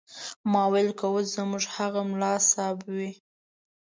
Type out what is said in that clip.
ما ویل که اوس زموږ هغه ملا صیب وي.